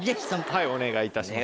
お願いいたします